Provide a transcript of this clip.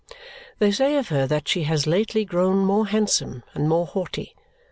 They say of her that she has lately grown more handsome and more haughty.